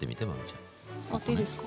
触っていいですか？